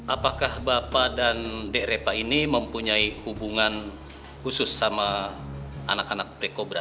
apakah bapak dan dek repa ini mempunyai hubungan khusus sama anak anak dekobra